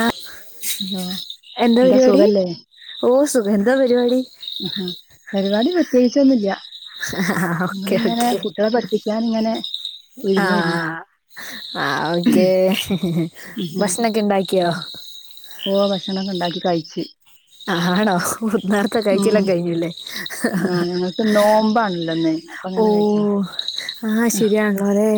ആ ഹലോ എന്താ പരിപാടി ഓ സുഖം ന്താ പരിപാടി ഹ ഹാ പരിപാടി പ്രത്യേകിച്ചൊന്നുല്ല ആഹ് ഓക്കെ നിങ്ങള്ങ്ങനെ കുട്ടൃളെ പഠിപ്പിക്കാങ്ങനെ ആ ആ ഓക്കെ ഉം ഭക്ഷണൊക്കെ ഉണ്ടാക്കിയോ ഉം ഓ ഭക്ഷണംണ്ടാക്കി കഴിച്ച് ആണോ നേർത്തെ ഉം കഴിച്ചെല്ലാം കഴിഞ്ഞല്ലേ ആ ഞങ്ങക്ക് നോമ്പാണല്ലോ ന്ന് ഓ ആ ശരിയാൺലോ ലേ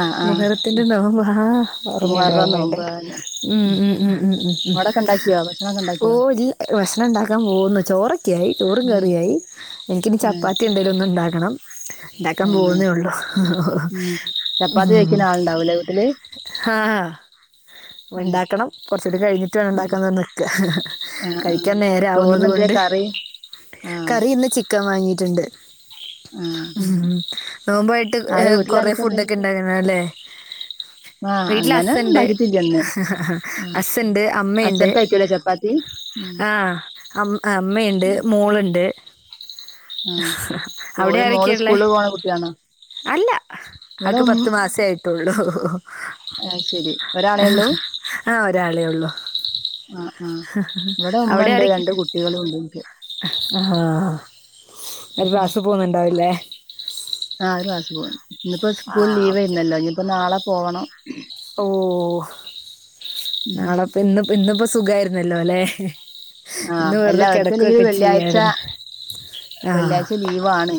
ആ ആ മുഹത്തിന്റെ നോമ്പാ ആ ഓർമ്മയ്ണ്ട് മുഹറം ഓർമ്മയ്ണ്ട് നോമ്പ് അതന്നെ ഉം ഉം ഉം ഉം ഉം ഉം അവിടൊക്കെ ഉണ്ടാക്കിയോ ഭക്ഷണൊക്കെ ഓ ഉണ്ടാക്കിയോ ഇൽ ഭഷണണ്ടാക്കാൻ പോക്ന്ന് ചോറൊക്കായി ചോറും ഉം കറിയായി എനിക്കിനി ആ ചപ്പാത്തി എന്തേലൊന്ന്ണ്ടാകണം ണ്ടാക്കാൻ അതന്നെ പോകുന്നേ ഉള്ളു ഉം ചപ്പാത്തി ഉം കഴിക്കുന്ന ആളുണ്ടാവൂലേ വീട്ടില് ഹാ വയ് ഉം ണ്ടാക്കണം കൊറ്ച്ചൂടി കഴിഞ്ഞിട്ട് ഉം വേണണ്ടാക്കാന്നറ്ഞ് നിക്ക ആ ആ കഴിക്കാൻ നേരാവുന്നത് ചോറിന് എന്തേ കൊണ്ട് കറി ആ കറിന്ന് ചിക്ക് ക്കം വാങ്ങീട്ട്ണ്ട് ആ ഉം നോമ്പായിട്ട് ഏ ആരെ കൊറേ വീട്ടിലാരൊക്കെണ്ട് ഫുഡൊക്കെ ണ്ടായിന്നല്ലേ ആ വീട്ടില് അങ്ങനെ ഒന്നും അസ്സ്ണ്ട് ഉണ്ടാക്കിട്ടില്ല ഇന്ന് ആ അസ്സ്ണ്ട് അച്ഛൻ അമ്മയ്ണ്ട് കഴിക്കൂലേ ചപ്പാത്തി ഉം ആ അമ് അമ്മയ്ണ്ട് മോള്ണ്ട് ആഹ് അവിടെ ഓര് മോള് ആരൊക്കെള്ളേ സ്കൂളിൽ പോണ കുട്ടിയാണോ അല്ല ഇവിടെ അവക്ക് ഉം പത്തു മാസേയിട്ടുള്ളു അത് ശരി ഒരാളെ ഉള്ളൂ ആ ഒരാളെള്ളു ആ ആ ഇവിടെമ്മണ്ട് ആരൊക്കെ രണ്ട് കുട്ടേളുംണ്ട്ൻക്ക് ആ ഒരു ക്ലാസ്സ് പോണ് ണ്ടാവുലേ ആ ഓല് ക്ലാസ്സ് പോണ്ട് ഇന്ന്പ്പോ ആ സ്കൂൾ ഓക്കെ ലീവായിരുന്നല്ലോ ഇനിയിപ്പോ നാളെ പോകണം ഓ നാളെപ്പ ഇന്ന് ഇന്ന്പ്പോ സുഖായിരുന്നല്ലോലേ ആ എല്ലാവർക്കുല്ലെങ്കിൽ വെള്ളിയാഴ്ച ചെയ്യായിരുന്നു ആഹ് വെള്ളിയാഴ്ച ലീവാണ്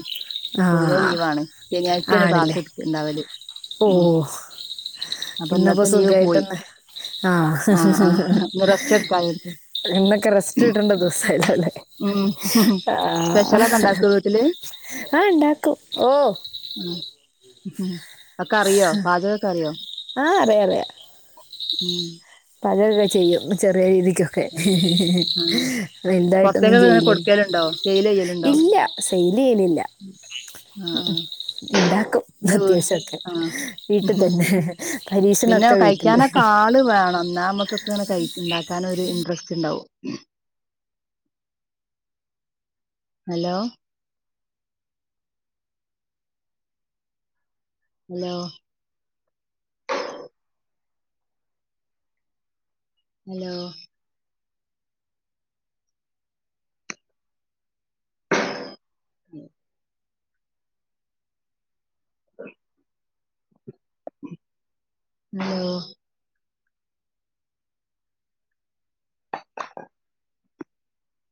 പൊതുവേ ആഹ് ലീവാണ് ശനിയാഴ്ചേണ് ആണല്ലേ ക്ലാസ്ടുക്ക ണ്ടാവല് ഓ അപ്പൊ ഇന്നപ്പോ ഇന്നത്തെ ലീവ് പോയി സുഖായിട്ടൊന്ന് ആ ആ ഇന്ന് റെസ്റ്റ് എടുക്കാ അവർക്ക് ഇന്നൊക്കെ റെസ്റ്റ്ട്ടേണ്ട ദിവസല്ലല്ലേ ഉം സ്പെഷ്യലൊക്കെണ്ടാക്കൊ വീട്ടില് ആഹ ഉണ്ടാക്കൂ ഓ ആ കറിയോ പാചക കറിയോ ആഹ് അറിയാം ഉം പതൊക്കെ ചെയ്യും ചെറിയ രീതി അത് ശരി ആ എന്തായിട്ടൊന്നും പുറത്തേക്കൊക്കെ ഇങ്ങനെ കൊടുക്കലുണ്ടോ സെയിൽ ചെയ്യലുണ്ടോ ചെയല്ലല്ല നില്ല ആഹ ആഹ ഉണ്ടാക്കും അത്യാവശ്യൊക്കെ വീട്ടിൽ ഉം തന്നെ പിന്നെ പരീക്ഷണൊക്കെ വീട്ടില് കഴിക്കാനൊക്കെ ആള് വേണം എന്നാ നമമ്മക്കക്കെ ഉണ്ടാക്കാന ഒരു ഇൻറസ്റ്റ് ഉണ്ടാവോ ഹലോ ഹലോ ഹലോ ഉം ആ